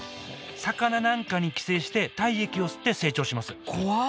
魚なんかに寄生して体液を吸って成長します怖っ！